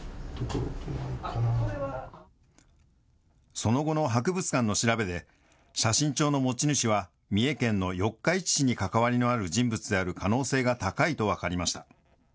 その後の博物館の調べで、写真帳の持ち主は、三重県の四日市市に関わりのある人物である可能性が高いと分かりました。